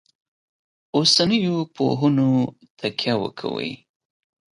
اوسنیو پوهنو تکیه وکوي.